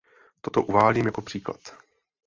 Toto uvádím jako příklad.